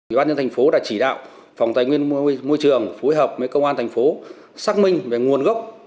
ủy ban nhân thành phố đã chỉ đạo phòng tài nguyên môi trường phối hợp với công an thành phố xác minh về nguồn gốc